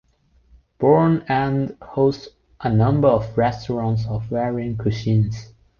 Bourne End hosts a number of restaurants of varying cuisines.